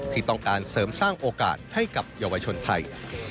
ที่ต้องการเสริมสร้างโอกาสให้กับเยาวชนไทย